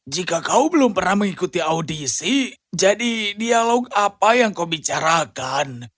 jika kau belum pernah mengikuti audisi jadi dialog apa yang kau bicarakan